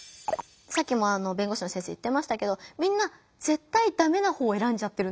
さっきも弁護士の先生言ってましたけどみんなぜったいダメな方選んじゃってるんだよねって。